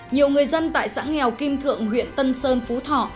nhiều người dân tại xã nghèo kim thượng huyện tân sơn phú thọ